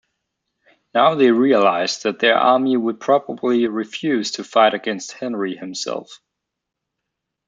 Now they realised that their army would probably refuse to fight against Henry himself.